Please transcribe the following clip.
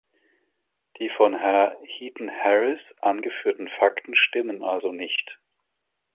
Die von Herr Heaton-Harris angeführten Fakten stimmen also nicht.